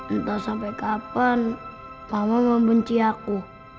entah sampai kapan mama membenci aku